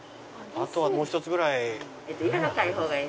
あとはもう一つぐらい。